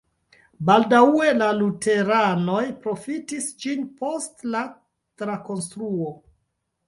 Baldaŭe la luteranoj profitis ĝin post la trakonstruo.